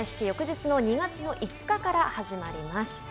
翌日の２月５日から始まります。